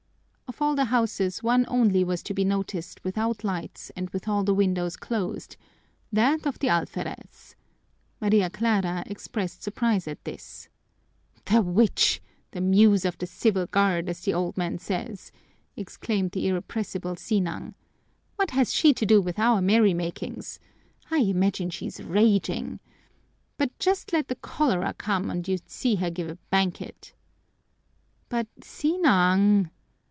Of all the houses one only was to be noticed without lights and with all the windows closed that of the alferez. Maria Clara expressed surprise at this. "The witch! The Muse of the Civil Guard, as the old man says," exclaimed the irrepressible Sinang. "What has she to do with our merrymakings? I imagine she's raging! But just let the cholera come and you'd see her give a banquet." "But, Sinang!"